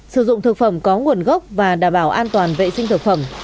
sử dụng thực phẩm có nguồn gốc và đảm bảo an toàn vệ sinh thực phẩm